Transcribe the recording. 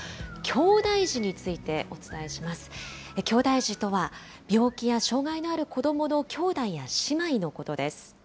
きょうだい児とは、病気や障害のある子どもの兄弟や姉妹のことです。